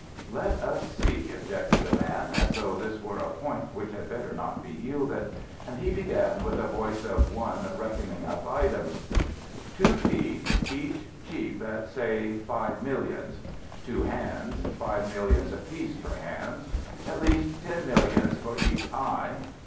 "Let us see," objected the man, as though this were a point which had better not be yielded, and he began with a voice of one reckoning up items: "Two feet, each cheap at, say, five millions. Two hands five millions apiece for hands. At least ten millions for each eye.